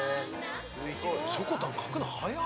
しょこたん描くの速っ！